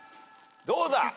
どうだ！？